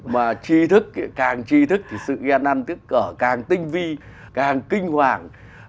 mà chi thức càng chi thức thì sự ghen ăn tức ở càng tinh vi càng kinh hoàng